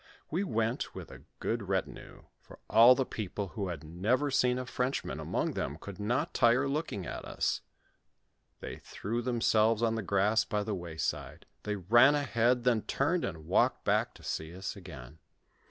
We went with a good retinue, for all the people who had never seen a Frenchman among them could not tire looking at us : they threw them selves on the grass by the wayside, they ran ahead, then turned and walked back to see us again.